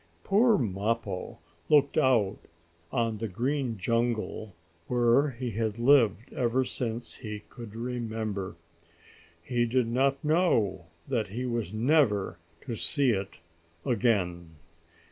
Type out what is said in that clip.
Poor Mappo looked out on the green jungle where he had lived ever since he could remember. He did not know that he was never to see it again.